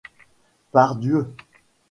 Pardieu !